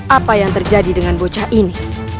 apa yang terjadi dengan bocah ini